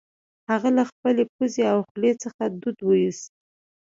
هغه له خپلې پوزې او خولې څخه دود وایوست